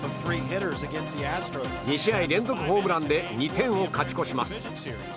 ２試合連続ホームランで２点を勝ち越します。